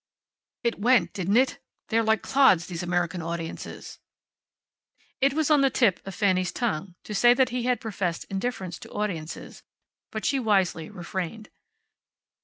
"It went, didn't it? They're like clods, these American audiences." It was on the tip of Fanny's tongue to say that he had professed indifference to audiences, but she wisely refrained.